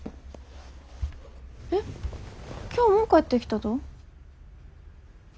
えっ今日もう帰ってきたと？